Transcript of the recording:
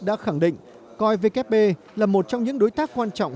đã khẳng định coi vkp là một trong những đối tác quan trọng